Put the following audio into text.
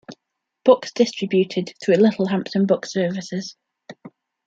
Books distributed through Littlehampton book services.